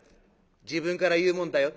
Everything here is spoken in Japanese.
「自分から言うもんだよ」。